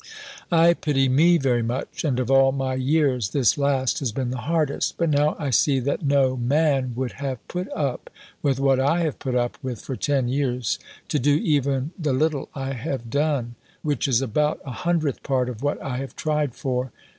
I pity me very much. And of all my years, this last has been the hardest. But now I see that no man would have put up with what I have put up with for ten years, to do even the little I have done which is about a hundredth part of what I have tried for.